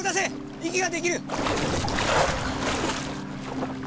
息ができる！